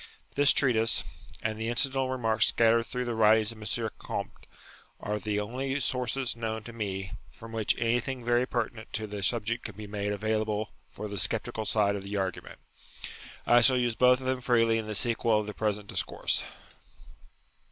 This treatise, and the incidental remarks scattered through the writings of M. Comte, are the only sources known to me from which anything very pertinent to the subject can be made available for the sceptical side of the argument. I shall use both of them freely in the sequel of the present discourse.